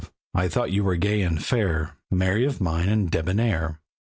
I thought you were gay and fair, Merry of mien and debonair.